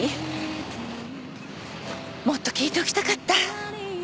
もっと聞いておきたかった。